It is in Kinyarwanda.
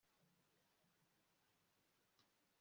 ibigize umushahara mbumbe